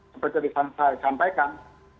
seperti yang saya sampaikan